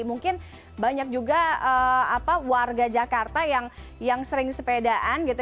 mungkin banyak juga warga jakarta yang sering sepedaan gitu